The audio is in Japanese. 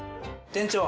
店長！